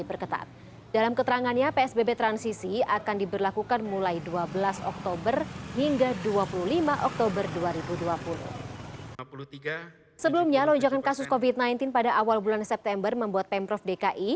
pemprov dki minggu siang